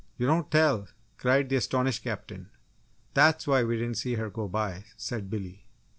"You don't tell!" cried the astonished Captain. "That's why we didn't see her go by!" said Billy.